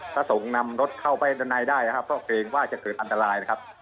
พระสงฆ์นำรถเข้าไปด้านในได้นะครับก็เกรงว่าจะเกิดอันตรายนะครับ